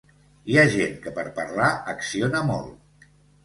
Hi ha gent que, per parlar, acciona molt.